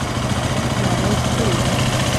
نړۍ ښکلې ده